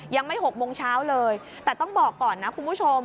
ยังไม่๖โมงเช้าเลยแต่ต้องบอกก่อนนะคุณผู้ชม